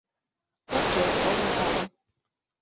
— Уке, огым, огым.